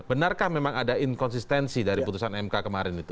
benarkah memang ada inkonsistensi dari putusan mk kemarin itu